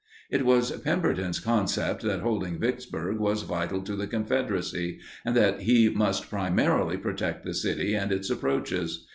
It was Pemberton's concept that holding Vicksburg was vital to the Confederacy and that he must primarily protect the city and its approaches.